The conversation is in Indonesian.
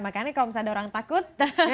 makanya kalau misalnya ada orang takut